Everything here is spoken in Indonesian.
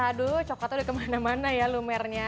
aduh coklatnya udah kemana mana ya lumernya